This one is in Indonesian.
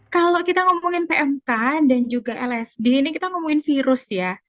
kalau kita ngomongin pmk dan juga lsd ini kita ngomongin virus ya